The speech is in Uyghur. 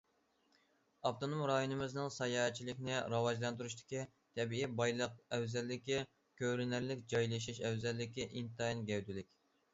ئاپتونوم رايونىمىزنىڭ ساياھەتچىلىكنى راۋاجلاندۇرۇشتىكى تەبىئىي بايلىق ئەۋزەللىكى كۆرۈنەرلىك، جايلىشىش ئەۋزەللىكى ئىنتايىن گەۋدىلىك.